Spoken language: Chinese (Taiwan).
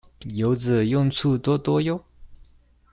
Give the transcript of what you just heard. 柚子用處多多唷